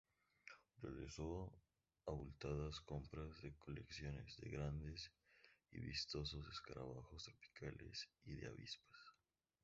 Realizó abultadas compras de colecciones, de grandes y vistosos escarabajos tropicales, y de avispas.